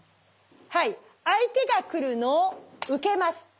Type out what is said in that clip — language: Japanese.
はい相手が来るのを受けます。